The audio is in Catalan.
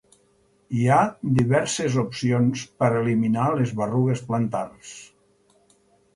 Hi ha diverses opcions per eliminar les berrugues plantars.